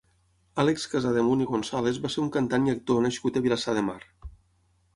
Àlex Casademunt i González va ser un cantant i actor nascut a Vilassar de Mar.